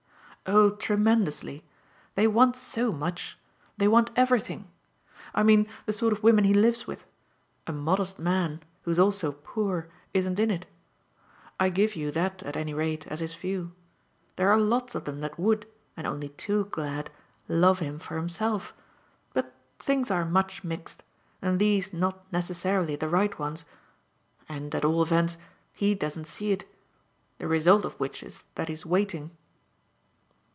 "Oh tremendously. They want so much they want everything. I mean the sort of women he lives with. A modest man who's also poor isn't in it. I give you that at any rate as his view. There are lots of them that would and only too glad 'love him for himself'; but things are much mixed, and these not necessarily the right ones, and at all events he doesn't see it. The result of which is that he's waiting."